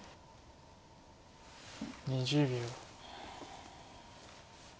２０秒。